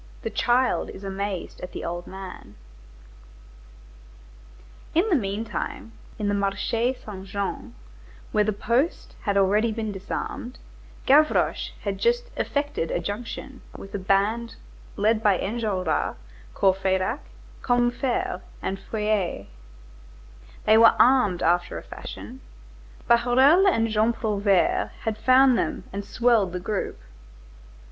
CHAPTER IV—THE CHILD IS AMAZED AT THE OLD MAN In the meantime, in the Marché Saint Jean, where the post had already been disarmed, Gavroche had just "effected a junction" with a band led by Enjolras, Courfeyrac, Combeferre, and Feuilly. They were armed after a fashion. Bahorel and Jean Prouvaire had found them and swelled the group.